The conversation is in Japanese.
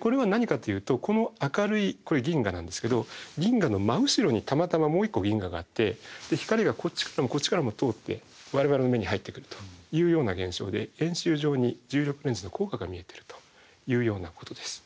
これは何かというとこの明るいこれ銀河なんですけど銀河の真後ろにたまたまもう一個銀河があって光がこっちからもこっちからも通って我々の目に入ってくるというような現象で円周上に重力レンズの効果が見えているというようなことです。